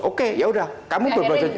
oke yaudah kamu berbahasa jawa